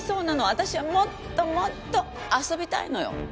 私はもっともっと遊びたいのよ！